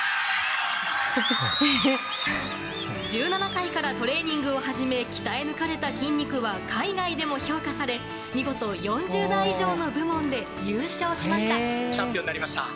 １７歳からトレーニングを始め鍛え抜かれた筋肉は海外でも評価され見事４０代以上の部門で優勝しました。